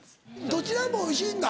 どちらもおいしいんだ。